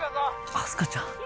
明日香ちゃん